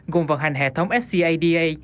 gồm vận hành hệ thống scada